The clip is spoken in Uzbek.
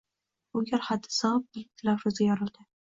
Bir gal haddi sig`ib, Dilafruzga yorildi